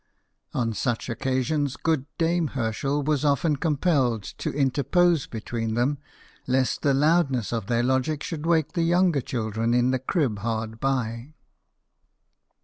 On such occasions good dame Herschel was often compelled to interpose between them, lest the loudness of their logic should wake the younger children in the crib hard by.